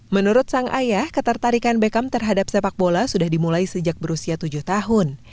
menurut sang ayah ketertarikan beckham terhadap sepak bola sudah dimulai sejak berusia tujuh tahun